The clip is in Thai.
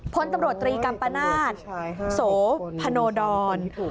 พลตำรวจตรีกัมปนาศโสพโนดร